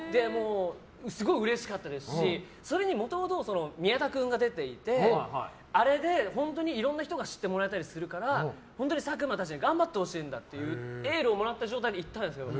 すごいうれしかったですしそれにもともと宮田君が出ていてあれで本当にいろんな人が知ってもらえたりするから本当に佐久間たちに頑張ってほしいんだってエールをもらった状態で行ったんですよ。